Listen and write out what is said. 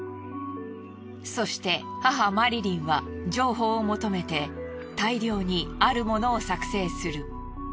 そして母マリリンは情報を求めて大量にあるものを作成する。